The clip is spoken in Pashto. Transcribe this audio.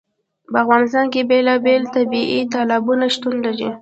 په افغانستان کې بېلابېل طبیعي تالابونه شتون لري.